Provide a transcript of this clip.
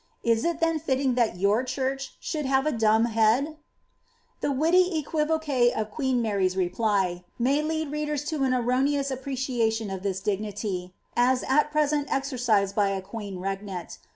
Is it then fitting that mmr church should have a daaib hendr" The witty equivoque of queen Mary's reply may lead readers to an erroneous appreciation of this dignity, as at present exercised by t queen regnant.